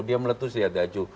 dia meletus dia daju